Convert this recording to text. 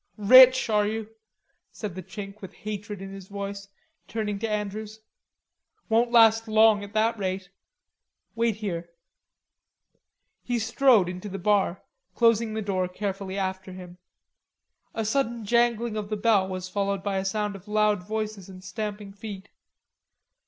"Rich, are you?" said the Chink with hatred in his voice, turning to Andrews. "Won't last long at that rate. Wait here." He strode into the bar, closing the door carefully after him. A sudden jangling of the bell was followed by a sound of loud voices and stamping feet.